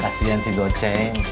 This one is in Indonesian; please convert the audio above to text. kasian si doceng